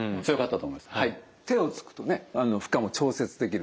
手をつくとね負荷も調節できる。